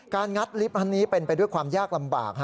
งัดลิฟต์อันนี้เป็นไปด้วยความยากลำบาก